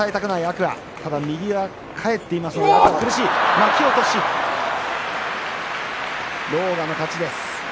巻き落とし狼雅の勝ちです。